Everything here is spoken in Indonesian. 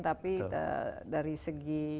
tapi dari segi